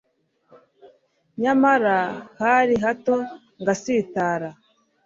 Nyamara hari hato ngasitara